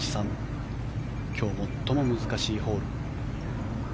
今日最も難しいホール。